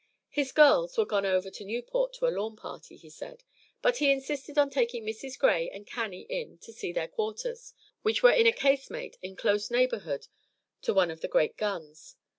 His "girls" were gone over to Newport to a lawn party, he said; but he insisted on taking Mrs. Gray and Cannie in to see their quarters, which were in a casemate, in close neighborhood to one of the great guns.